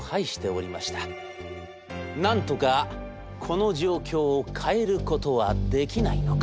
なんとかこの状況を変えることはできないのか。